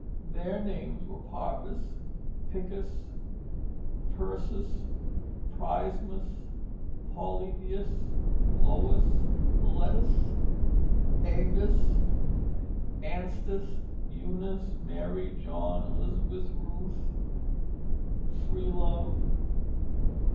Their names were Parvis, Picus, Piersus, Prisemus, Polybius, Lois, Lettice, Avis, Anstice, Eunice, Mary, John, Elizabeth, Ruth, Freelove.